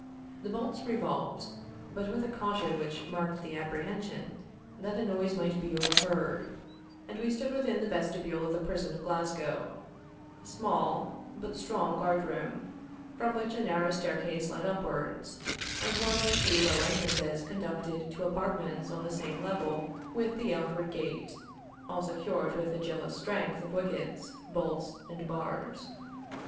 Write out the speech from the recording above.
The bolts revolved, but with a caution which marked the apprehension that the noise might be overheard, and we stood within the vestibule of the prison of Glasgow, a small, but strong guard room, from which a narrow staircase led upwards, and one or two low entrances conducted to apartments on the same level with the outward gate, all secured with the jealous strength of wickets, bolts, and bars.